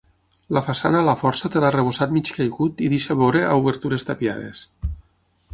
La façana a la Força té l'arrebossat mig caigut i deixa veure obertures tapiades.